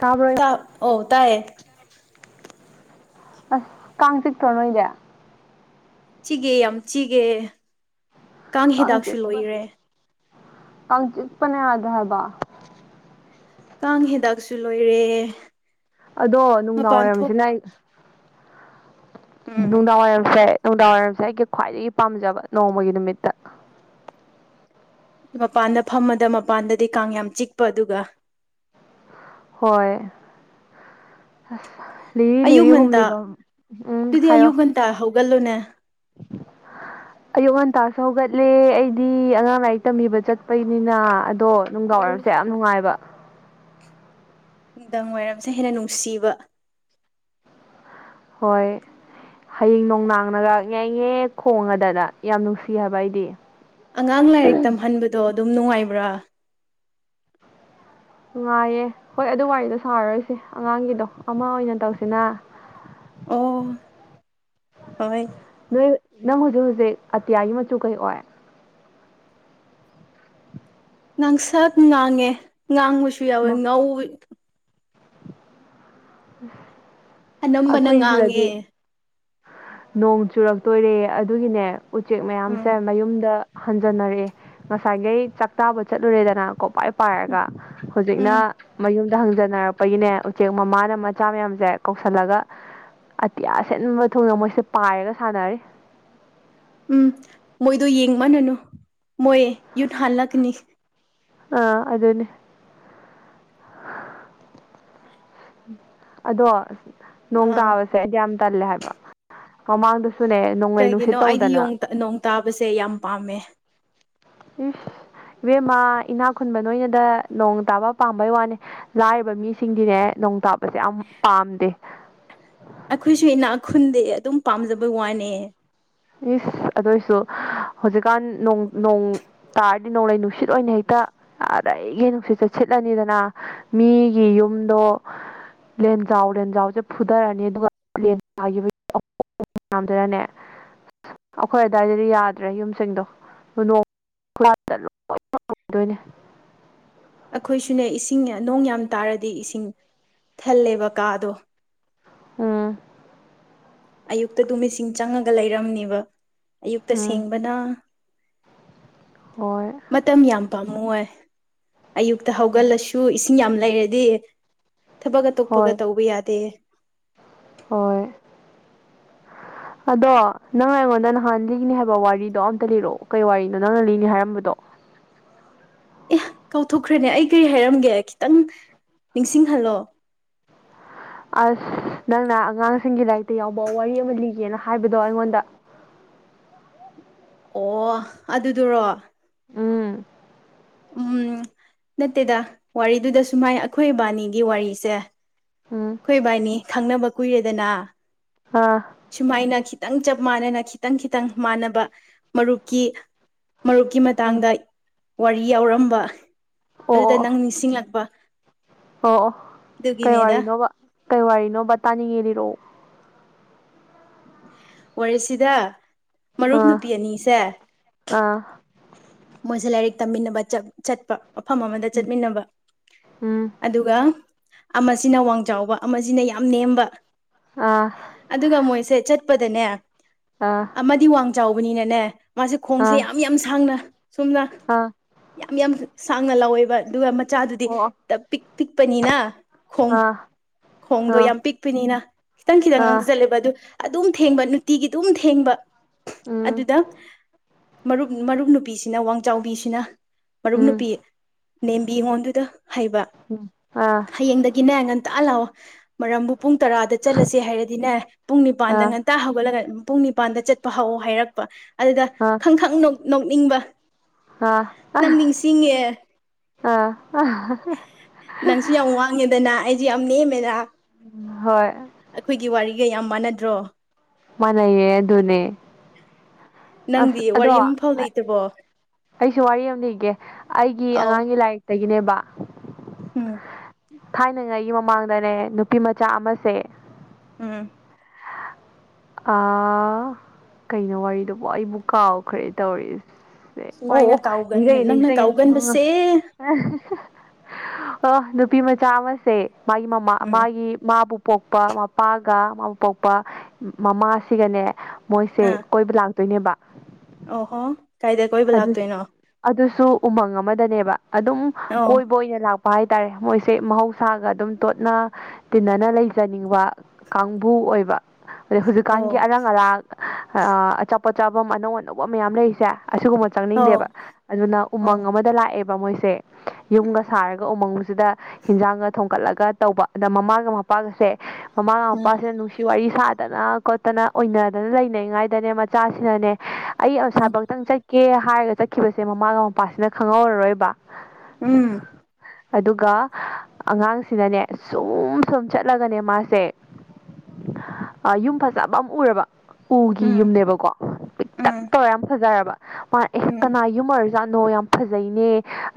ꯇꯥꯕ꯭ꯔꯣ ꯇ ꯑꯣ ꯇꯥꯏꯌꯦ ꯑꯁ ꯀꯥꯥꯟ ꯆꯛ ꯇꯣꯔꯣꯅꯣꯏꯗꯦ ꯆꯤꯒꯦ ꯌꯥꯝꯝ ꯆꯤꯒꯦ ꯀꯥꯡ ꯀꯪ ꯍꯤꯗꯥꯛꯁꯨ ꯆꯄ ꯂꯣꯏꯔꯦ ꯀꯪ ꯆꯄꯅꯦ ꯌꯥꯗ ꯍꯥꯏꯕ ꯀꯥꯡ ꯍꯤꯗꯥꯛꯁꯨ ꯂꯣꯏꯔꯦ ꯑꯗꯣ ꯅꯨꯡꯗꯥꯡ ꯃꯄꯥꯟ ꯊꯣꯛ ꯋꯥꯏꯔꯝꯃꯤꯁꯤꯅ ꯑꯩ ꯎꯝ ꯅꯨꯡꯗꯥꯡ ꯋꯥꯏꯔꯝꯁꯦ ꯅꯨꯡꯗꯥꯡ ꯋꯥꯏꯔꯝꯁꯦ ꯑꯩꯒꯤ ꯈ꯭ꯋꯥꯏꯗꯒꯤ ꯄꯥꯝꯖꯕ ꯅꯣꯡꯃꯒꯤ ꯅꯨꯃꯤꯠꯇ ꯃꯄꯥꯟꯗ ꯐꯝꯃꯗ ꯃꯄꯥꯟꯗꯗꯤ ꯀꯥꯡ ꯌꯥꯝ ꯆꯤꯛꯄ ꯑꯗꯨꯒ ꯍꯣꯏ ꯂꯤꯔꯤ ꯑꯌꯨꯛ ꯂꯤꯔꯤ ꯍꯨꯝꯂꯤꯕ ꯉꯟꯇꯥ ꯎꯝ ꯑꯗꯨꯗꯤ ꯍꯥꯏꯌꯣ ꯑꯌꯨꯛ ꯉꯟꯇꯥ ꯍꯧꯒꯠꯂꯨꯅꯦ ꯑꯌꯨꯛ ꯉꯟꯇꯥꯁꯨ ꯍꯧꯒꯠꯂꯦ ꯑꯩꯗꯤ ꯑꯉꯥꯡ ꯂꯥꯏꯔꯤꯛ ꯇꯝꯕꯤꯕ ꯆꯠꯄꯩꯅꯤꯅ ꯑꯗꯣ ꯑꯣ ꯅꯨꯡꯗꯥꯥꯎꯔꯛꯑꯁꯦ ꯌꯥꯝ ꯅꯨꯡꯉꯥꯏꯕ ꯅꯨꯡꯗꯪ ꯋꯥꯏꯔꯝꯁꯦ ꯍꯦꯟꯅ ꯅꯨꯡꯁꯤꯕ ꯍꯣꯏ ꯍꯌꯦꯡ ꯅꯣꯡꯅꯥꯡꯅꯒ ꯉꯏꯉꯦ ꯈꯣꯡꯉꯗꯗ ꯌꯥꯝ ꯅꯨꯡꯁꯤ ꯍꯥꯏꯕ ꯑꯩꯗꯤ ꯑꯉꯥꯡ ꯂꯥꯏꯔꯤꯛ ꯇꯝꯍꯟꯕꯗꯣ ꯑꯗꯨꯝ ꯅꯨꯡꯉꯥꯏꯕ꯭ꯔꯥ ꯅꯨꯡꯉꯥꯏꯌꯦ ꯍꯣꯏ ꯑꯗꯨ ꯋꯥꯔꯤꯗꯣ ꯁꯥꯔꯔꯣꯏꯁꯦ ꯑꯉꯥꯡꯒꯤꯗꯣ ꯑꯃ ꯑꯣꯏꯅ ꯇꯧꯁꯤꯅ ꯑꯣ ꯍꯣꯏ ꯅꯣꯏ ꯅꯪ ꯍꯧꯖꯤꯛ ꯍꯧꯖꯤꯛ ꯑꯇꯤꯌꯥꯒꯤ ꯃꯆꯨ ꯀꯩ ꯑꯣꯏ ꯅꯪꯁꯥ ꯉꯥꯡꯉꯦ ꯉꯥꯡꯕꯁꯨ ꯌꯥꯎꯋꯦ ꯃꯥ ꯉꯧ ꯎꯝ [unintelligible] ꯑꯅꯝꯕꯅ ꯉꯥꯡꯉꯦ ꯅꯣꯡ ꯆꯨꯔꯛꯇꯣꯏꯔꯦ ꯑꯗꯨꯒꯤꯅꯦ ꯎꯆꯦꯛ ꯃꯌꯥꯝꯁꯦ ꯎꯝ ꯃꯌꯨꯝꯗ ꯍꯟꯖꯟꯅꯔꯛꯑꯦ ꯉꯁꯥꯏꯈꯩ ꯆꯥꯛꯇꯥꯕ ꯆꯠꯂꯨꯔꯦꯗꯅ ꯀꯣ ꯄ ꯄꯥꯏꯔꯒ ꯎꯝ ꯍꯧꯖꯤꯛꯅ ꯃꯌꯨꯝꯗ ꯍꯪꯖꯟꯅꯔꯛꯄꯒꯤꯅꯦ ꯎꯆꯦꯛ ꯃꯃꯥꯅ ꯃꯆꯥ ꯃꯌꯥꯝꯁꯦ ꯀꯧꯁꯤꯜꯂꯒ ꯑꯇꯤꯌꯥ ꯁꯦꯟꯕ ꯊꯨꯡꯅ ꯃꯣꯏꯁꯦ ꯄꯥꯏꯔꯒ ꯁꯥꯟꯅꯔꯤ ꯎꯝ ꯃꯣꯏꯗꯣ ꯌꯦꯡꯃꯅꯅꯨ ꯃꯣꯏ ꯌꯨꯠ ꯍꯥꯜꯂꯛꯀꯅꯤ ꯑꯝ ꯑꯗꯨꯅꯦ ꯑꯗꯣ ꯅꯣꯡ ꯑꯥ ꯇꯥꯕꯁꯦꯗꯤ ꯌꯥꯝ ꯇꯜꯂꯦ ꯍꯥꯏꯕ ꯃꯃꯥꯡꯗꯁꯨꯅꯦ ꯅꯣꯡꯂꯩ ꯅꯨꯡꯁꯤꯠ ꯀꯩꯒꯤꯅꯣ ꯑꯩꯗꯤ ꯇꯧꯗꯅ ꯌꯣꯡ ꯅꯣꯡ ꯇꯥꯕꯁꯦ ꯌꯥꯝ ꯄꯥꯝꯃꯦ ꯏꯕꯦꯝꯃ ꯏꯅꯥ ꯈꯨꯟꯕ ꯅꯣꯏꯅꯗ ꯅꯣꯡ ꯇꯥꯕ ꯄꯥꯝꯕꯩ ꯋꯥꯅꯦ ꯂꯥꯏꯔꯤꯕ ꯃꯤꯁꯤꯡꯗꯤꯅꯦ ꯅꯣꯡ ꯇꯥꯞꯕꯁꯦ ꯌꯥꯝ ꯄꯥꯝꯗꯦ ꯑꯩꯈꯣꯏꯁꯨ ꯏꯅꯥꯛ ꯈꯨꯟꯗꯤ ꯑꯗꯨꯝ ꯄꯥꯝꯖꯕꯩ ꯋꯥꯅꯦ ꯏꯁ ꯑꯗꯨꯏꯁꯨ ꯍꯧꯖꯤꯛꯀꯥꯟ ꯅꯣꯡ ꯇꯥꯔꯗꯤ ꯅꯣꯡꯂꯩ ꯅꯨꯡꯁꯤꯠ ꯑꯣꯏꯅ ꯍꯦꯛꯇ ꯑꯔꯩꯒꯤ ꯅꯨꯡꯁꯤꯠꯁꯦ ꯁꯤꯠꯂꯅꯤꯗꯅ ꯃꯤꯒꯤ ꯌꯨꯝꯗꯣ ꯂꯦꯟꯖꯥꯎ ꯂꯦꯟꯖꯥꯎꯁꯦ ꯐꯨꯊꯔꯅꯤ ꯑꯗꯨꯒ ꯃꯗꯨꯅꯅꯦ ꯑꯩꯈꯣꯏ ꯑꯗꯥꯋꯥꯏꯗꯗꯤ ꯌꯥꯗ꯭ꯔꯦ ꯌꯨꯝꯁꯤꯡꯗꯣꯡ ꯂꯣꯏꯗꯣꯏꯅꯦ ꯑꯩꯈꯣꯏꯁꯨꯅꯦ ꯏꯁꯤꯡ ꯅꯣꯡ ꯌꯥꯝ ꯇꯥꯔꯗꯤ ꯏꯁꯤꯡ ꯊꯜꯂꯦꯕ ꯀꯥꯗꯣ ꯎꯝ [inaudible] ꯑꯌꯨꯛꯇꯗꯨ ꯃꯤꯁꯤꯡ ꯆꯪꯉꯒ ꯂꯩꯔꯝꯅꯦꯕ ꯑꯌꯨꯛꯇ ꯎꯝ ꯁꯦꯡꯕꯅ ꯍꯣꯏ ꯃꯇꯝ ꯌꯥꯝ ꯄꯥꯝꯃꯨꯏ ꯑꯌꯨꯛꯇ ꯍꯣꯏ ꯍꯧꯒꯠꯂꯁꯨ ꯏꯁꯤꯡ ꯌꯥꯝ ꯂꯩꯔꯗꯤ ꯊꯕꯛ ꯑ ꯇꯣꯛꯞꯄꯒ ꯍꯣꯏ ꯇꯧꯕ ꯌꯥꯗꯦ ꯍꯣꯏ [inaudible] ꯑꯗꯣ ꯅꯪꯅ ꯑꯩꯉꯣꯟꯗ ꯅꯍꯥꯟ ꯂꯤꯅꯤ ꯍꯥꯏꯕ ꯋꯥꯔꯤꯗꯣ ꯑꯝꯇ ꯂꯤꯔꯛꯑꯣ ꯀꯩ ꯋꯥꯔꯤꯅꯣ ꯅꯪꯅ ꯂꯤꯅꯤ ꯍꯥꯏꯔꯝꯕꯗꯣ ꯀꯧꯊꯣꯛꯈ꯭ꯔꯦꯅꯦ ꯑꯩ ꯀꯔꯤ ꯍꯥꯏꯔꯝꯒꯦ ꯈꯤꯇꯪ ꯅꯤꯡꯁꯤꯡꯍꯜꯂꯣ ꯑꯁ ꯅꯪꯅ ꯑꯉꯥꯡꯁꯤꯡꯒꯤ ꯂꯥꯏꯔꯤꯛꯇ ꯌꯥꯎꯕ ꯋꯥꯔꯤ ꯑꯃ ꯂꯤꯒꯦꯅ ꯍꯥꯏꯕꯗꯣ ꯑꯩꯉꯣꯟꯗ ꯑꯣ ꯑꯗꯨꯗꯨꯔꯣ ꯎꯝ [inaudible] [unintelligible] ꯎꯝ ꯅꯠꯇꯦꯗ ꯋꯥꯔꯤꯗꯨꯗ ꯁꯨꯃꯥꯏ ꯑꯩꯈꯣꯏ ꯏꯕꯥꯅꯤꯒꯤ ꯋꯥꯔꯤꯁꯦ ꯎꯝ ꯑꯩꯈꯣꯏ ꯕꯥꯏꯅꯤ ꯈꯪꯅꯕ ꯀꯨꯏꯔꯦꯗꯅ ꯑꯥ ꯁꯨꯃꯥꯏꯅ ꯈꯤꯇꯪ ꯆꯞ ꯃꯥꯟꯅꯅ ꯈꯤꯇꯪ ꯈꯤꯇꯪ ꯃꯥꯟꯅꯕ ꯃꯔꯨꯞꯀꯤ ꯃꯔꯨꯞꯀꯤ ꯑꯣ ꯃꯇꯥꯡꯗ ꯋꯥꯔꯤ ꯌꯥꯎꯔꯝꯕ ꯑꯗꯨꯗ ꯑꯣ ꯑꯣ ꯅꯪ ꯅꯤꯡꯁꯤꯡꯂꯛꯄ ꯑꯣ ꯑꯣ ꯀꯩ ꯑꯗꯨꯒꯤꯅꯦꯗ ꯋꯥꯔꯤꯅꯣꯕ ꯀꯩ ꯋꯥꯔꯤꯔꯤꯅꯣꯕ ꯇꯥꯅꯤꯡꯉꯦ ꯂꯤꯔꯛꯑꯣ ꯋꯥꯔꯤꯁꯤꯗ ꯃꯔꯨꯞ ꯑꯥ ꯅꯨꯄꯤ ꯑꯅꯤꯁꯦ ꯑꯥ ꯃꯣꯏꯁꯦ ꯂꯥꯏꯔꯤꯛ ꯇꯝꯃꯤꯟꯅꯕ ꯆꯠꯄ ꯃꯐꯝ ꯑꯃꯗ ꯎꯝ ꯆꯠꯃꯤꯟꯅꯕ ꯎꯝ ꯑꯗꯨꯒ ꯑꯃꯁꯤꯅ ꯋꯥꯡ ꯆꯥꯎꯕ ꯑꯃꯁꯤꯅ ꯌꯥꯝ ꯅꯦꯝꯕ ꯑꯥ ꯑꯗꯨꯒ ꯃꯣꯏꯁꯦ ꯆꯠꯄꯗꯅꯦ ꯑꯥ ꯑꯃꯗꯤ ꯋꯥꯡ ꯆꯥꯎꯕꯅꯤꯅꯅꯦ ꯃꯥꯁꯦ ꯈꯣꯡꯁꯦ ꯑꯥ ꯌꯥꯝ ꯌꯥꯝ ꯁꯥꯡꯅ ꯁꯨꯝꯅ ꯑꯥ ꯌꯥꯝ ꯌꯥꯝ ꯁꯥꯡꯅ ꯂꯧꯥꯎꯋꯦꯕ ꯑꯗꯨꯒ ꯃꯆꯥꯗꯨꯗꯤ ꯑꯣ ꯑꯣ ꯄꯤꯛ ꯄꯤꯛꯄꯅꯤꯅ ꯈꯣꯡ ꯑꯥ ꯈꯣꯡꯗꯣ ꯑꯥ ꯌꯥꯝ ꯄꯤꯛꯄꯅꯤꯅ ꯈꯤꯇꯪ ꯈꯤꯇꯪ ꯑꯥ ꯉ ꯆꯠꯂꯦꯕ ꯑꯗꯨ ꯑꯗꯨꯝ ꯊꯦꯡꯕ ꯅꯨꯡꯇꯤꯒꯤ ꯑꯗꯨꯝ ꯊꯦꯡꯕ ꯎꯝ ꯑꯗꯨꯗ ꯃꯔꯨꯞ ꯃꯔꯨꯞ ꯅꯨꯄꯤꯁꯤꯅ ꯋꯥꯡꯆ ꯆꯥꯎꯕꯤꯁꯤꯅ ꯃꯔꯨꯞ ꯎꯝ ꯅꯨꯨꯄꯤ ꯅꯦꯝꯕꯤ ꯑꯩꯉꯣꯟꯗꯨꯗ ꯍꯩꯕ ꯎꯝ ꯑꯥ ꯍꯌꯦꯡꯗꯒꯤꯅꯦ ꯉꯟꯇ ꯇꯛ ꯂꯥꯛꯑꯣ ꯃꯔꯝꯕꯨ ꯄꯨꯡ ꯇꯔꯥꯗ ꯆꯠꯂꯁꯦ ꯍꯥꯏꯔꯗꯤꯅꯦ ꯄꯨꯡ ꯅꯤꯄꯥꯟꯗ ꯑꯥ ꯉꯟꯇꯥ ꯍꯧꯒꯠꯂꯒ ꯄꯨꯡ ꯅꯤꯄꯥꯟꯗ ꯆꯠꯄ ꯍꯧꯑꯣ ꯍꯥꯏꯔꯛꯄ ꯑꯗꯨꯗ ꯈꯪ ꯈꯪ ꯅꯣꯛꯅꯤꯡꯕ ꯅꯪ ꯅꯤꯡꯁꯤꯡꯉꯦ ꯑ ꯑ ꯅꯪꯁꯨ ꯌꯥꯝ ꯋꯥꯡꯉꯦꯗꯅ ꯑꯩꯁꯨꯦ ꯌꯥꯝ ꯅꯦꯝꯃꯦꯗ ꯍꯣꯏ ꯑꯩꯈꯣꯏꯒꯤ ꯋꯥꯔꯤꯒ ꯌꯥꯝ ꯃꯥꯟꯅꯗ꯭ꯔꯣ ꯃꯅꯩꯌꯦ ꯑꯗꯨꯅꯦ ꯑꯁ ꯅꯪꯗꯤ ꯑꯗꯣ ꯋꯥꯔꯤ ꯑꯃꯐꯥꯎ ꯂꯩꯇꯕꯣ ꯑꯩꯁꯨ ꯋꯥꯔꯤ ꯑꯃꯅꯤꯒꯦ ꯑꯩꯒꯤ ꯑꯧ ꯑꯉꯥꯡꯒꯤ ꯂꯥꯏꯔꯤꯛ ꯑꯗꯒꯤꯅꯦꯕꯕꯥ ꯎꯝ ꯊꯥꯏꯅꯉꯥꯏꯒꯤ ꯃꯃꯥꯡꯗꯅꯦ ꯅꯨꯄꯤ ꯃꯆꯥ ꯑꯃꯁꯦ ꯎꯝ ꯍꯥ ꯀꯩꯅꯣ ꯋꯥꯔꯤꯗꯨꯕꯨ ꯑꯩꯕꯨ ꯀꯥꯎꯈ꯭ꯔꯦ ꯇꯧꯔꯤꯁꯦ ꯑꯣ ꯁꯨꯃꯥꯏꯅ ꯑꯣ ꯀꯥꯎꯒꯟ ꯅꯤꯡꯖꯉꯦ ꯅꯤꯡ ꯅꯪꯅ ꯆꯉꯦ ꯎ ꯀꯥꯎꯒꯟꯕꯁꯦ ꯑꯣ ꯅꯨꯄꯤ ꯃꯆꯥ ꯑꯃꯁꯦ ꯃꯥꯒꯤ ꯃꯃꯥ ꯎꯝ ꯃꯥꯒꯤ ꯃꯥꯕꯨ ꯄꯣꯛꯄ ꯃꯄꯥꯒ ꯃꯥ ꯄꯣꯛꯄ ꯃꯃꯥꯁꯤꯒꯅꯦ ꯃꯣꯏꯁꯦ ꯀꯣꯏꯕ ꯂꯥꯛꯇꯣꯏꯅꯦꯕ ꯑꯣ ꯍꯣ ꯑꯗꯨꯁꯨ ꯎꯃꯪ ꯑꯃꯗꯅꯦꯕ ꯑꯗꯨꯝ ꯑꯧ ꯀꯣꯏꯕ ꯑꯣꯏꯅ ꯂꯥꯛꯄ ꯄꯚꯥꯏ ꯇꯔꯦ ꯃꯣꯏꯁꯦ ꯃꯍꯧꯁꯥꯒ ꯑꯗꯨꯝ ꯇꯣꯠꯅ ꯇꯤꯟꯅꯅ ꯂꯩꯖꯅꯤꯡꯕ ꯀꯥꯡꯕꯨ ꯑꯣꯏꯕ ꯑꯗꯩ ꯍꯧꯖꯤꯛꯀꯥꯟꯒꯤ ꯑꯣ ꯑꯔꯥꯡ ꯑꯔꯥꯛ ꯑꯆꯥꯄꯆꯥꯥꯐꯝ ꯑꯅꯧ ꯑꯅꯧꯕ ꯃꯌꯥꯝ ꯂꯩꯔꯤꯁꯦ ꯑꯁꯤꯒꯨꯝꯕ ꯑꯧ ꯆꯪꯅꯤꯡꯗꯦꯕ ꯑꯗꯨꯅ ꯑꯣ ꯎꯃꯪ ꯑꯃꯗ ꯂꯥꯛꯑꯦꯕ ꯃꯣꯏꯁꯦ ꯌꯨꯝꯒ ꯎꯝ ꯁꯥꯔꯒ ꯎꯃꯪꯁꯤꯗ ꯍꯤꯟꯖꯥꯡꯒ ꯊꯣꯒꯠꯂꯒ ꯇꯧꯕ ꯑꯗ ꯃꯃꯥꯒ ꯃꯄꯥꯒꯁꯦ ꯃꯃꯥꯒ ꯎꯝ ꯃꯄꯥꯁꯤꯅ ꯅꯨꯡꯁꯤ ꯋꯥꯔꯤ ꯁꯥ ꯐꯠꯇꯅ ꯈꯣꯠꯇꯅ ꯑꯣꯏꯅꯗꯅ ꯂꯩꯅꯉꯥꯏꯗꯅꯦ ꯃꯆꯥꯁꯤꯅꯅꯦ ꯑꯩ ꯑꯁꯥꯕꯛꯇꯪ ꯆꯠ ꯀꯦ ꯍꯥꯏꯔꯒ ꯆꯠꯈꯤꯕꯁꯦ ꯃꯃꯥꯒ ꯃꯄꯥꯁꯤꯅ ꯈꯪꯍꯧꯔꯔꯣꯏꯕ ꯎꯝ ꯑꯗꯨꯒ ꯑꯉꯥꯡꯁꯤꯅꯅꯦ ꯁꯨꯝ ꯁꯨꯝ ꯆꯠꯂꯒꯅꯦ ꯃꯥꯁꯦ ꯌꯨꯝ ꯐꯖꯕ ꯑꯃꯝ ꯎꯔꯕ ꯎꯒꯤ ꯎꯝ ꯌꯨꯝꯅꯦꯕꯀꯣ ꯎꯝ ꯄꯤꯛꯇꯛ ꯎꯝ ꯇꯧꯔ ꯌꯥꯝ ꯐꯖꯔꯕ ꯃꯥ ꯑꯦ ꯎꯝ ꯀꯅꯥ ꯌꯨꯝ ꯑꯣꯏꯔꯁꯨ ꯖꯥꯠꯅꯣ ꯌꯥꯝ ꯐꯖꯩꯅꯦ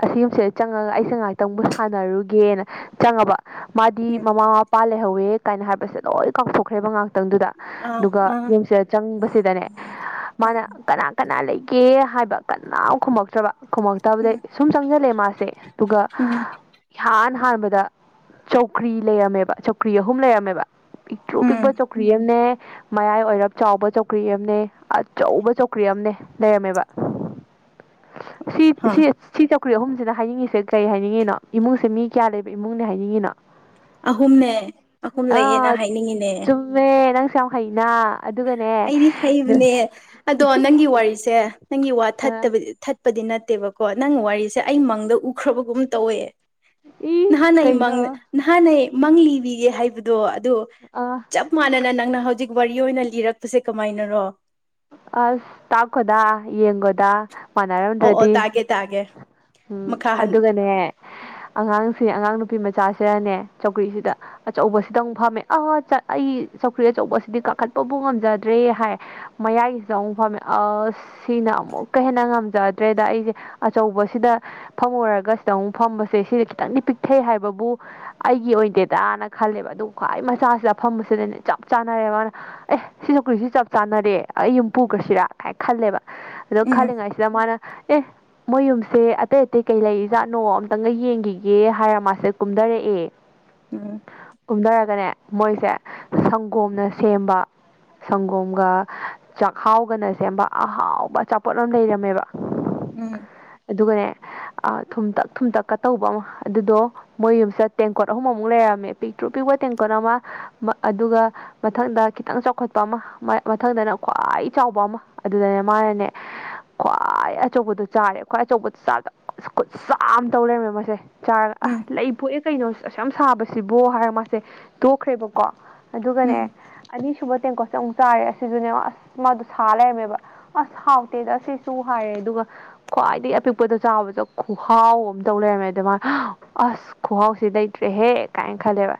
ꯑꯁꯤꯒꯨꯝꯕꯁꯤꯗ ꯆꯪꯉꯒ ꯑꯩꯁꯦ ꯉꯥꯏꯥꯛꯇꯪꯕꯨ ꯁꯥꯟꯅꯔꯨꯒꯦ ꯒꯦꯅ ꯆꯪꯉꯕ ꯃꯥꯗꯤ ꯎꯝ ꯃꯃꯥ ꯃꯄꯥ ꯂꯩꯍꯧꯋꯦ ꯀꯥꯏꯅ ꯍꯥꯏꯕꯁꯦ ꯂꯣꯏ ꯀꯥꯎꯊꯣꯛꯈ꯭ꯔꯦꯕ ꯉꯥꯛꯇ ꯃꯇꯝꯗꯨꯗ ꯑꯥ ꯑꯗꯨꯒ ꯑꯥ ꯌꯨꯝꯁꯤꯗ ꯆꯪꯕꯁꯤꯗꯅꯦ ꯃꯥꯅ ꯀꯅꯥ ꯀꯅꯥ ꯂꯩꯒꯦ ꯍꯥꯏꯕ ꯀꯅꯥ ꯈꯨꯝꯃꯛꯇ꯭ꯔꯕ ꯈꯨꯝꯃꯛꯇꯕꯗꯩ ꯎꯝ ꯁꯨꯝ ꯆꯪꯁꯤꯜꯂꯦ ꯃꯥꯁꯦ ꯑꯗꯨꯒ ꯎꯝ ꯏꯍꯥꯟ ꯍꯥꯟꯕꯗ ꯆꯧꯀ꯭ꯔꯤ ꯂꯩꯔꯝꯃꯦꯕ ꯆꯧꯀ꯭ꯔꯤ ꯑꯍꯨꯝ ꯂꯩꯔꯝꯃꯦꯕ ꯄꯤꯛꯂꯣ ꯄꯤꯛꯄ ꯎꯝ ꯆꯣꯀꯔꯤ ꯑꯦꯝꯅꯦ ꯃꯌꯥꯏ ꯑꯣꯏꯔꯞ ꯆꯥꯎꯕ ꯆꯧꯀ꯭ꯔꯤ ꯑꯃꯅꯦ ꯑꯆꯧꯕ ꯆꯧꯀ꯭ꯔꯤ ꯑꯃꯅꯦ ꯂꯩꯔꯃꯕ ꯁꯤ ꯍꯥ ꯁꯤ ꯁꯤ ꯆꯧꯀ꯭ꯔꯤ ꯑꯍꯨꯝꯁꯤꯅ ꯍꯥꯏꯅꯤꯡꯉꯤꯁꯦ ꯀꯩ ꯍꯥꯏꯅꯤꯡꯉꯤꯅꯣ ꯏꯃꯨꯡꯁꯦ ꯃꯤ ꯀꯌꯥ ꯂꯩꯕ ꯏꯃꯨꯡꯅꯦ ꯍꯥꯏꯅꯤꯡꯉꯤꯅꯣ ꯑꯍꯨꯝꯅꯦ ꯑꯍꯨꯝ ꯂꯩꯌꯦꯅ ꯍꯥꯏꯅꯤꯡꯉꯤꯅꯦ ꯑꯦ ꯅꯥꯡꯁ ꯌꯥ ꯍꯥꯏꯩꯅ ꯑꯩꯗꯤ ꯍꯩꯕꯅꯦ ꯑꯗꯣ ꯅꯪꯒꯤ ꯋꯥꯔꯤꯁꯦ ꯅꯪꯒꯤ ꯋꯥ ꯑ ꯊꯠꯇꯕ ꯆꯄꯗꯤ ꯅꯠꯇꯦꯕꯀꯣ ꯅꯪ ꯋꯥꯔꯤꯁꯦ ꯑꯩ ꯃꯪꯗ ꯎꯈ꯭ꯔꯕꯒꯨꯝ ꯇꯧꯋꯦ ꯏ ꯅꯍꯥꯟꯅꯩꯪ ꯀꯩꯅꯣ ꯅꯍꯥꯟꯅꯩ ꯃꯪ ꯂꯤꯔꯤꯒꯦ ꯍꯥꯏꯕꯗꯣ ꯑꯗꯨ ꯑ ꯆꯞ ꯃꯥꯟꯅꯅ ꯅꯪꯅ ꯍꯧꯖꯤꯛ ꯋꯥꯔꯤ ꯑꯣꯏꯅ ꯂꯤꯔꯛꯄꯁꯦ ꯀꯃꯥꯏꯅꯔꯣ ꯑꯁ ꯇꯥꯛꯀꯗ ꯌꯦꯡꯒꯣꯗ ꯑꯣ ꯑꯣ ꯃꯥꯟꯅꯔꯝꯗ꯭ꯔꯗꯤ ꯇꯥꯒꯦ ꯇꯥꯒꯦ ꯎꯝ ꯃꯈꯥ ꯍꯟ ꯑꯗꯨꯒꯅꯦ ꯑꯉꯥꯡꯁꯤ ꯑꯉꯥꯡ ꯅꯨꯄꯤ ꯃꯆꯥꯁꯤꯔꯅꯦ ꯆꯧꯀ꯭ꯔꯤꯁꯤꯗ ꯑꯆꯧꯕꯁꯤꯗꯪ ꯑꯃꯨꯛ ꯐꯝꯃꯦ ꯑ ꯑꯩ ꯆꯧꯀ꯭ꯔꯤ ꯑꯆꯧꯕꯁꯤꯗꯤ ꯀꯥꯈꯠꯄꯕꯨ ꯉꯝꯖꯗ꯭ꯔꯦ ꯍꯥꯏ ꯃꯌꯥꯏꯒꯤꯁꯤꯗ ꯑꯃꯨꯛ ꯐꯝꯃꯦ ꯑꯁ ꯁꯤꯅ ꯑꯃꯨꯛꯀ ꯍꯦꯟꯅ ꯉꯝꯖꯗ꯭ꯔꯦꯗ ꯑꯩꯁꯦ ꯑꯆꯧꯕꯁꯤꯗ ꯐꯝ ꯑꯣꯏꯔꯒ ꯁꯤꯗ ꯑꯃꯨꯛ ꯐꯝꯕꯁꯦ ꯁꯤꯁ ꯈꯤꯇꯪꯗꯤ ꯄꯤꯛꯊꯩ ꯍꯥꯏꯕꯕꯨ ꯑꯩꯒꯤ ꯑꯣꯏꯗꯦꯗꯅ ꯈꯜꯂꯦꯕ ꯑꯗꯨ ꯈ꯭ꯋꯥꯏ ꯃꯆꯥꯁꯤꯗ ꯑ ꯐꯝꯕꯁꯤꯗꯅꯦ ꯆꯞ ꯆꯥꯟꯅꯔꯦꯕ ꯃꯥꯅ ꯑꯦ ꯁꯤꯁꯨ ꯀꯨꯔꯤꯁꯤ ꯆꯞ ꯆꯥꯟꯅꯔꯦ ꯑꯩ ꯌꯨꯝ ꯄꯨꯈ꯭ꯔꯁꯤꯔꯥ ꯀꯥꯏꯅ ꯈꯜꯂꯦꯕ ꯑꯗꯣ ꯎꯝ ꯈꯜꯂꯤꯉꯥꯏ ꯃꯥꯅ ꯑꯦ ꯃꯣꯏ ꯌꯨꯝꯁꯦ ꯑꯇꯩ ꯑꯇꯩ ꯀꯩ ꯂꯩꯔꯤ ꯖꯥꯠꯅꯣ ꯑꯝꯇꯪꯒ ꯌꯦꯡꯈꯤꯒꯦ ꯍꯥꯏꯔ ꯃꯥꯁꯦ ꯀꯨꯝꯘꯔꯛꯑꯦ ꯎꯝ ꯀꯨꯝꯗꯔꯒꯅꯦ ꯃꯣꯏꯁꯦ ꯁꯪꯒꯣꯝꯅ ꯁꯦꯝꯕ ꯁꯪꯒꯣꯝꯒ ꯆꯥꯛꯍꯥꯎꯒꯅ ꯁꯦꯝꯕ ꯑꯍꯥꯎꯕ ꯑꯆꯥꯄꯣꯠ ꯑꯃ ꯂꯩꯔꯝꯃꯦꯕ ꯎꯝ ꯑꯗꯨꯒꯅꯦ ꯊꯨꯝꯇꯛ ꯊꯨꯝꯇꯛꯀ ꯇꯧꯕ ꯑꯃ ꯑꯗꯨꯗꯣ ꯃꯣꯏ ꯌꯨꯝꯁꯤꯗ ꯇꯦꯡꯀꯣ ꯑꯍꯨꯝꯃꯨꯛ ꯂꯩꯔꯝꯃꯦ ꯄꯤꯛꯇ꯭ꯔꯨ ꯄꯤꯛꯄ ꯇꯦꯡꯀꯣꯠ ꯑꯃ ꯑꯗꯨꯒ ꯃꯊꯪꯗ ꯈꯤꯇꯪ ꯆꯥꯎꯈꯠꯄ ꯑꯃ ꯃꯊꯪꯗꯅ ꯈ꯭ꯋꯥꯏ ꯆꯥꯎꯕ ꯑꯃ ꯑꯗꯨꯗꯅꯦ ꯃꯥꯅꯅꯦ ꯈ꯭ꯋꯥꯏ ꯑꯆꯧꯕꯗꯣ ꯆꯥꯔꯦ ꯈ꯭ꯋꯥꯏ ꯑꯆꯧꯕꯗꯨ ꯆꯥꯗ ꯈꯨꯠ ꯁꯥꯥ ꯑꯃ ꯇꯧ ꯂꯩꯔꯝꯃꯦ ꯃꯁꯦ ꯆꯥꯔ ꯎꯝ ꯂꯩ ꯄꯣꯛꯑꯦ ꯀꯩꯅꯣ ꯑꯁꯨꯌꯥꯝ ꯁꯥꯕꯁꯤꯕꯣ ꯍꯥꯏꯔꯒ ꯃꯥꯁꯦ ꯇꯣꯛꯈ꯭ꯔꯦꯕꯀꯣ ꯑꯗꯨꯒꯅꯦ ꯎꯝ ꯑꯅꯤꯁꯨꯕ ꯇꯦꯡꯀꯣꯠꯁꯦ ꯑꯃꯨꯛ ꯆꯥꯏꯔꯦ ꯑꯁꯤ ꯁꯤꯁꯨꯅꯦꯕ ꯑꯁ ꯃꯥꯗꯣ ꯁꯥ ꯂꯩꯔꯝꯃꯦꯕ ꯑꯁ ꯍꯥꯎꯇꯦꯗ ꯑꯁꯤꯁꯦ ꯁꯨ ꯍꯥꯏꯔꯦ ꯑꯗꯨꯒ ꯈ꯭ꯋꯥꯏꯗꯒꯤ ꯑꯄꯤꯛꯄꯗ ꯆꯥꯕꯁꯨ ꯈꯨꯍꯥꯎ ꯑꯝꯇꯧ ꯂꯩꯔꯝꯃꯦ ꯑꯗꯩ ꯃꯥ ꯑꯁ ꯈꯨꯍꯥꯎꯁꯤ ꯂꯩꯇ꯭ꯔꯦꯍꯦ ꯀꯥꯏꯅ ꯈꯜꯂꯦꯕ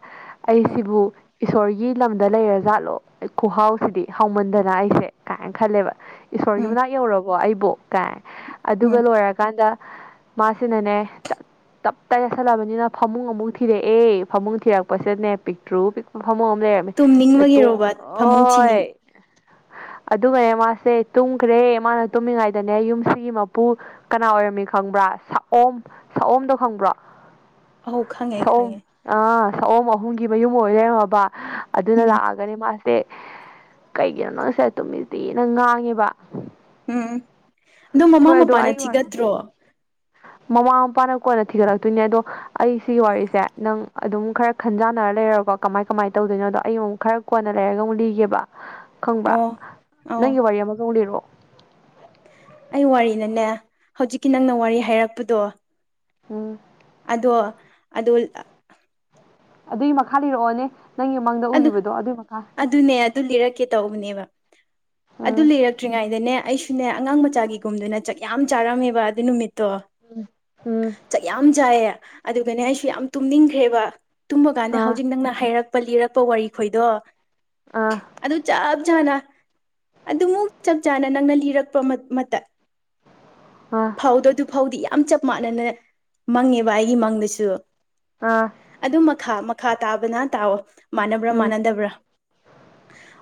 ꯎꯝ ꯑꯩꯁꯤꯕꯨ ꯏꯁꯣꯔꯒꯤ ꯂꯝꯗ ꯂꯩꯔꯖꯥꯠꯂꯣ ꯈꯨꯍꯥꯎꯁꯤꯗꯤ ꯍꯥꯎꯃꯟꯗ ꯑꯩꯁꯦ ꯀꯥꯏꯅ ꯈꯜꯂꯦꯕ ꯏꯁꯣꯔꯒꯤ ꯎꯝ ꯃꯅꯥꯛ ꯌꯧꯔꯕꯣ ꯑꯩꯕꯣ ꯀꯥꯏ ꯑꯗꯨꯒ ꯎꯝ ꯂꯣꯏꯔꯀꯥꯟꯗ ꯃꯥꯁꯤꯅꯅꯦ ꯇꯞ ꯇꯥꯏ ꯆꯥꯁꯜꯂꯕꯅꯤꯅ ꯐꯃꯨꯡ ꯑꯃꯨꯛ ꯊꯤꯔꯛꯑꯦ ꯐꯃꯨꯡ ꯊꯤꯔꯛꯄꯁꯤꯗꯅꯦ ꯄꯤꯛꯇ꯭ꯔꯨ ꯄꯤꯛꯄ ꯐꯃꯨꯡ ꯑꯃ ꯂꯩꯔ ꯇꯣꯛ ꯇꯨꯝꯅꯤꯡꯕꯒꯤꯔꯣꯕ ꯐꯃꯨꯡ ꯑꯣꯏ ꯊꯤꯅꯤꯡ ꯑꯗꯨꯒꯅꯦ ꯃꯥꯁꯦ ꯇꯨꯝꯈ꯭ꯔꯦ ꯃꯥꯅ ꯇꯨꯝꯃꯤꯉꯩꯗꯅꯦ ꯌꯨꯝꯁꯤꯒꯤ ꯃꯄꯨ ꯀꯅꯥ ꯑꯣꯏꯔꯝꯃꯤ ꯈꯪꯕ꯭ꯔꯥ ꯁꯥꯛꯑꯣꯝ ꯁꯥꯛꯑꯣꯝꯗꯣ ꯈꯪꯕ꯭ꯔꯣ ꯑꯧ ꯈꯪꯉꯦ ꯁꯑꯣꯝ ꯈꯪꯉꯦ ꯑꯥ ꯁꯑꯣꯝ ꯑꯍꯨꯝꯒꯤ ꯃꯌꯨꯝ ꯑꯣꯏ ꯂꯩꯔꯝꯃꯕ ꯑꯗꯨꯅ ꯎꯝ ꯂꯥꯛꯑꯒ ꯔꯦ ꯃꯥꯁꯦ ꯀꯩꯅꯣ ꯅꯪ ꯁꯤ ꯇꯨꯃꯤꯘꯤꯅ ꯉꯥꯡꯉꯦꯕ ꯎꯝ ꯑꯗꯣ ꯃꯃꯥ ꯍꯣꯏ ꯃꯄꯥꯅ ꯑꯩ ꯋꯥ ꯊꯤꯒꯠꯇ꯭ꯔꯣ ꯃꯃꯥ ꯃꯄꯥꯅ ꯀꯣꯟꯅ ꯊꯤꯒꯠꯂꯛꯇꯣꯏꯅꯦ ꯑꯗꯣ ꯑꯩ ꯁꯤꯒꯤ ꯋꯥꯔꯤꯁꯦ ꯅꯪ ꯑꯗꯨꯝ ꯈꯔ ꯈꯟꯖꯥꯟꯅꯔ ꯂꯩꯔꯕ ꯀꯃꯥꯏ ꯀꯃꯥꯏꯅ ꯇꯧꯗꯣꯏꯅꯣꯗꯣ ꯑꯩ ꯑꯃꯨꯛ ꯈꯔ ꯀꯣꯟꯅ ꯂꯩꯔꯒ ꯑꯃꯨꯛ ꯂꯤꯒꯦꯕ ꯈꯪꯕ꯭ꯔꯥ ꯑꯣ ꯑꯣ ꯅꯪꯒꯤ ꯋꯥꯔꯤ ꯑꯃꯒ ꯑꯃꯨꯛ ꯂꯤꯔꯣ ꯑꯩ ꯋꯥꯔꯤꯅꯅꯦ ꯍꯧꯖꯤꯛꯀꯤ ꯅꯪꯅ ꯋꯥꯔꯤ ꯍꯥꯏꯔꯛꯄꯗꯣ ꯎꯝ ꯑꯗꯣ ꯑꯗꯨ ꯑꯗꯨꯏ ꯃꯈꯥ ꯂꯤꯔꯛꯑꯣꯅꯦ ꯅꯪꯒꯤ ꯃꯥꯡꯗ ꯑꯗꯨ ꯎꯈꯤꯕꯗꯣ ꯑꯗꯨꯏ ꯃꯈꯥ ꯑꯗꯨꯅꯦ ꯑꯗꯨ ꯂꯤꯔꯛꯀꯦ ꯇꯧꯕꯅꯦꯕ ꯑꯗꯨ ꯎꯝ ꯂꯤꯔꯛꯇ꯭ꯔꯤꯉꯩꯗꯅꯦ ꯁꯤꯅꯦ ꯑꯉꯥꯡ ꯃꯆꯥꯒꯤꯒꯨꯝꯗꯨꯅ ꯆꯥꯛ ꯌꯥꯝ ꯆꯥꯔꯝꯃꯦꯕ ꯑꯗꯨ ꯅꯨꯃꯤꯠꯇꯣ ꯎꯝ ꯎꯝ ꯆꯥꯛꯌꯥꯝ ꯆꯥꯏꯌꯦ ꯑꯗꯨꯒꯅꯦ ꯑꯩꯁꯨ ꯌꯥꯝ ꯇꯨꯝꯅꯤꯡꯈ꯭ꯔꯦꯕ ꯇꯨꯝꯕ ꯀꯥꯟꯗ ꯑꯥ ꯍꯧꯖꯤꯛ ꯅꯪꯅ ꯍꯥꯏꯔꯛ ꯂꯤꯔꯛꯄ ꯋꯥꯔꯤ ꯈꯣꯏꯗꯣ ꯑꯥ ꯑꯗꯨ ꯆꯞ ꯆꯥꯅ ꯑꯗꯨꯃꯨꯛ ꯆꯞ ꯆꯥꯅ ꯅꯪꯅ ꯂꯤꯔꯛꯄ ꯃꯇ ꯑꯥ ꯐꯧꯗꯣ ꯑꯗꯨ ꯐꯧꯗꯤ ꯌꯥꯝ ꯆꯞ ꯃꯥꯟꯅꯅ ꯃꯪꯉꯦꯕ ꯑꯩꯒꯤ ꯃꯪꯗꯁꯨ ꯑꯥ ꯑꯗꯨ ꯃꯈꯥ ꯃꯈꯥ ꯇꯥꯕꯅ ꯇꯥꯑꯣ ꯃꯥꯟꯅꯕ꯭ꯔꯥ ꯎꯝ ꯃꯥꯟꯅꯗꯕ꯭ꯔꯥ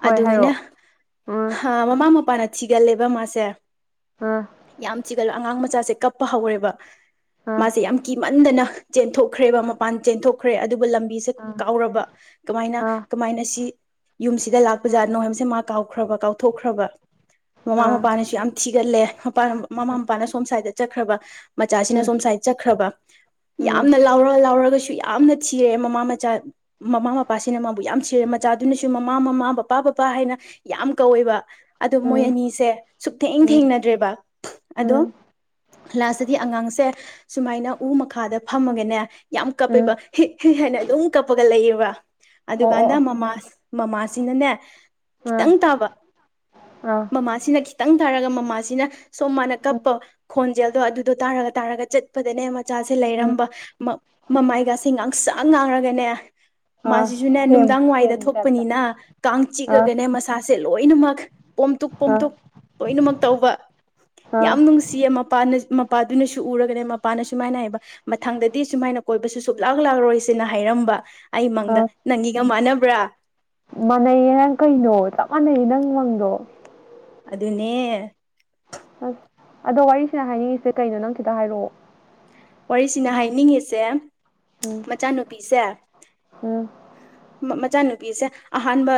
ꯍꯣꯏ ꯑꯗꯨꯒꯅ ꯍꯥꯏꯔꯛꯑꯣ ꯎꯝ ꯃꯃꯥ ꯃꯄꯥꯅ ꯊꯤꯒꯜꯂꯦꯕ ꯃꯥꯁꯦ ꯑꯥ ꯌꯥꯝ ꯆꯤꯒꯠꯂ ꯑꯉꯥꯡ ꯃꯆꯥꯁꯦ ꯀꯞꯄ ꯍꯧꯔꯦꯕ ꯑꯥ ꯃꯥꯁꯦ ꯌꯥꯝ ꯀꯤꯃꯟꯗꯅ ꯆꯦꯟꯊꯣꯛ ꯀꯈ꯭ꯔꯦꯕ ꯑꯥ ꯃꯄꯥꯟ ꯆꯦꯟꯊꯣꯛꯈ꯭ꯔꯦ ꯑꯗꯨꯕꯨ ꯂꯝꯕꯤꯁꯦ ꯑꯥ ꯀꯥꯎꯔꯕ ꯀꯃꯥꯏꯅ ꯑꯥ ꯀꯃꯥꯏꯅ ꯁꯤ ꯌꯨꯝꯁꯤꯗ ꯂꯥꯛꯄ ꯑꯥ ꯖꯥꯠꯅꯣ ꯍꯥꯏꯕꯁꯦ ꯃꯥ ꯀꯥꯎꯈ꯭ꯔꯕ ꯀꯥꯎꯊꯣꯛꯈ꯭ꯔꯕ ꯃꯃꯥ ꯑꯥ ꯃꯄꯥꯅꯁꯨ ꯌꯥꯝ ꯊꯤꯒꯜꯂꯦ ꯃꯃꯥ ꯃꯄꯥꯅ ꯁꯣꯝ ꯁꯥꯏꯏꯗ ꯆꯠꯈ꯭ꯔꯕ ꯃꯆꯥꯁꯤꯅ ꯎꯝ ꯁꯣꯝ ꯁꯥꯏꯗ ꯆꯠꯈ꯭ꯔꯕ ꯎꯝ ꯌꯥꯝꯅ ꯂꯥꯎꯔ ꯂꯥꯎꯔꯒꯁꯨ ꯌꯥꯝꯅ ꯊꯤꯔꯛꯑꯦ ꯃꯃꯥ ꯃꯆꯥ ꯃꯃꯥ ꯃꯄꯥꯁꯤꯅ ꯃꯥꯕꯨ ꯌꯥꯝ ꯁꯤꯔꯦ ꯃꯆꯥꯗꯨꯅꯁꯨ ꯃꯃꯥ ꯃꯃꯥ ꯃꯄꯥ ꯕꯄꯥ ꯍꯥꯏꯅ ꯌꯥꯝ ꯀꯧꯋꯦꯕ ꯑꯗꯨ ꯃꯣꯏ ꯑꯅꯤꯁꯦ ꯁꯨꯛꯊꯦꯡ ꯎꯝ ꯎꯝ ꯊꯦꯡꯅꯗ꯭ꯔꯦꯕ ꯑꯗꯣ ꯎꯝ ꯂꯥꯁꯇꯗꯤ ꯑꯉꯥꯡꯁꯦ ꯁꯨꯃꯥꯏꯅ ꯎ ꯃꯈꯥꯗ ꯐꯝꯃꯒꯅꯦ ꯌꯥꯝ ꯎꯝ ꯀꯞꯄꯦꯕ ꯍꯤꯛ ꯍꯤꯛ ꯍꯥꯏꯅ ꯑꯗꯨꯝ ꯀꯞꯄꯒ ꯂꯩꯌꯦꯕ ꯑꯣ ꯑꯣ ꯑꯗꯨꯀꯥꯟꯗ ꯑꯣ ꯃꯃꯥ ꯃꯃꯥꯁꯤꯅꯅꯦ ꯑꯥ ꯈꯤꯇꯪ ꯇꯥꯕ ꯑꯥ ꯃꯃꯥꯁꯤꯅꯈꯤ ꯈꯤꯇꯪ ꯇꯥꯔꯒ ꯃꯃꯥꯁꯤꯅ ꯁꯣꯝ ꯃꯥꯅ ꯎꯝ ꯀꯞꯄ ꯈꯣꯟꯖꯦꯜꯗꯣ ꯑꯗꯨꯗꯣ ꯇꯥꯔꯒ ꯇꯥꯔꯒ ꯆꯠ ꯀꯄꯗꯅꯦ ꯃꯆꯥꯁꯦ ꯎꯝ ꯂꯩꯔꯝꯕ ꯃꯃꯥꯏꯒꯥꯁꯦ ꯉꯥꯡꯁꯥꯡ ꯉꯥꯡꯔꯒꯅꯦ ꯑꯥ ꯃꯥꯁꯤꯁꯨꯅꯦ ꯁꯦꯝ ꯅꯨꯡꯗꯥꯡ ꯋꯥꯏꯗ ꯁꯦꯝꯒꯤ ꯇꯥꯏꯞꯇ ꯊꯣꯛꯄꯅꯤꯅ ꯀꯥꯡ ꯑꯥ ꯆꯤꯛꯑꯒꯅꯦ ꯃꯁꯥ ꯁꯥꯥꯁꯦ ꯂꯣꯏꯅꯃꯛ ꯄꯣꯝꯇꯨꯛ ꯑꯥ ꯄꯣꯝꯇꯨꯛ ꯂꯣꯏꯅꯃꯛ ꯇꯧꯕ ꯑꯥ ꯌꯥꯝ ꯅꯨꯡꯁꯤꯌꯦ ꯃꯄꯥꯅ ꯃꯄꯥꯗꯨꯅꯁꯨ ꯎꯔꯒꯅꯦ ꯃꯄꯥꯅ ꯁꯨꯃꯥꯏꯅ ꯍꯥꯏꯕ ꯃꯊꯪꯗꯗꯤ ꯁꯨꯃꯥꯏꯅ ꯀꯣꯏꯕꯁꯨ ꯁꯨꯀꯂꯥꯛ ꯂꯥꯛꯔꯣꯏꯁꯤꯅ ꯍꯥꯏꯔꯝꯕ ꯑꯩ ꯃꯪꯗ ꯑꯥ ꯅꯪꯒꯤꯒ ꯃꯥꯟꯅꯕ꯭ꯔꯥ ꯃꯥꯟꯅꯩꯌꯦ ꯅꯪ ꯀꯩꯅꯣ ꯆꯞ ꯃꯥꯟꯅꯩꯌꯦ ꯅꯪ ꯎꯃꯪꯗꯣ ꯑꯗꯨꯅꯦ ꯑꯁ ꯑꯗꯣ ꯋꯥꯔꯤꯁꯤꯅ ꯍꯥꯏꯅꯤꯡꯉꯤꯁꯦ ꯀꯩꯅꯣ ꯅꯪ ꯈꯤꯇ ꯍꯥꯏꯔꯛꯑꯣ ꯋꯥꯔꯤꯁꯤꯅ ꯍꯥꯏꯅꯤꯡꯉꯤꯁꯦ ꯎꯝ ꯃꯆꯥꯅꯨꯄꯤꯁꯦ ꯎꯝ ꯃꯆꯥꯅꯨꯄꯤꯁꯦ ꯑꯍꯥꯟꯕ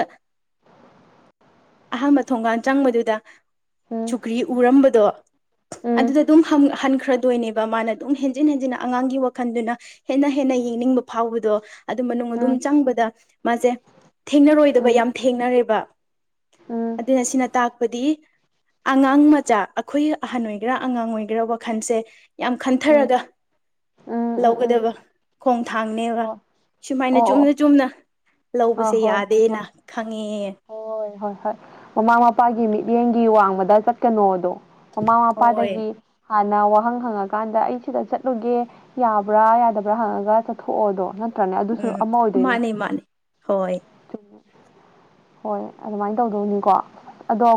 ꯑꯍꯥꯟꯕ ꯊꯣꯡꯒꯥꯟ ꯆꯪꯕꯗꯨꯗ ꯎꯝ ꯁꯨꯀ꯭ꯔꯤ ꯎꯔꯝꯕꯗꯣ ꯑꯗꯨꯗ ꯎꯝ ꯑꯗꯨꯝ ꯠꯈ꯭ꯔꯗꯣꯏꯅꯦꯕ ꯃꯥꯅ ꯑꯗꯨꯝ ꯍꯦꯟꯖꯤꯟ ꯍꯦꯟꯖꯤꯟ ꯑꯉꯥꯡꯒꯤ ꯋꯥꯈꯜꯗꯨꯅ ꯍꯦꯟꯅ ꯍꯦꯟꯅ ꯌꯦꯡꯅꯤꯡꯕ ꯐꯥꯎꯕꯗꯣ ꯑꯗꯨ ꯃꯅꯨꯡ ꯑꯗꯨꯝ ꯆꯪꯕꯗ ꯃꯥꯁꯦ ꯊꯦꯡꯅꯔꯣꯏꯗꯕ ꯎꯝ ꯌꯥꯝ ꯊꯦꯡꯅꯔꯦꯕ ꯎꯝ ꯎꯝ ꯑꯗꯨꯅ ꯁꯤꯅ ꯇꯥꯛꯄꯗꯤ ꯑꯉꯥꯡ ꯃꯆꯥ ꯑꯩꯈꯣꯏ ꯑꯍꯟ ꯑꯣꯏꯒꯦꯔꯥ ꯑꯉꯥꯡ ꯑꯣꯏꯒꯦꯔꯥ ꯋꯥꯈꯜꯁꯦ ꯌꯥꯝ ꯈꯟꯊꯔꯒ ꯎꯝ ꯎꯝ ꯎꯝ ꯎꯝ ꯂꯧꯒꯗꯕ ꯈꯣꯡ ꯊꯥꯡꯅꯦꯒ ꯑꯣ ꯁꯨꯃꯥꯏꯅ ꯑꯣ ꯑꯣ ꯆꯨꯝꯅ ꯆꯨꯝꯅ ꯑꯥ ꯂꯧꯕꯁꯦ ꯍꯣꯏ ꯍꯣꯏ ꯍꯣꯏ ꯌꯥꯗꯦꯅ ꯈꯪꯉꯦ ꯍꯣꯏ ꯍꯣꯏ ꯍꯣꯏ ꯃꯃꯥ ꯃꯄꯥꯒꯤ ꯃꯤꯠꯌꯦꯡꯒꯤ ꯋꯥꯡꯃꯗ ꯆꯠꯀꯅꯣ ꯑꯗꯣ ꯃꯃꯥ ꯍꯣꯏ ꯃꯄꯥꯗꯒꯤ ꯍꯥꯟꯅ ꯋꯥꯍꯪ ꯍꯪꯉꯀꯥꯟꯗ ꯑꯩ ꯁꯤꯗ ꯆꯠꯂꯨꯒꯦ ꯌꯥꯕ꯭ꯔꯥ ꯌꯥꯗꯕ꯭ꯔꯥ ꯍꯪꯉꯒ ꯆꯠꯊꯣꯛꯑꯣꯗꯣ ꯅꯠꯇ꯭ꯔꯅꯦ ꯑꯗꯨꯁꯨ ꯎꯝ ꯑꯃ ꯑꯣꯏꯗꯣꯏꯅꯦ ꯃꯥꯅꯦ ꯃꯥꯅꯦ ꯍꯣꯏ ꯍꯣꯏ ꯑꯗꯨꯃꯥꯏꯅ ꯇꯧꯗꯧꯅꯤꯀꯣ ꯑꯗꯣ